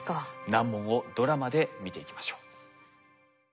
難問をドラマで見ていきましょう。